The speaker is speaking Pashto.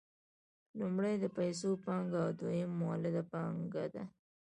لومړی د پیسو پانګه او دویم مولده پانګه ده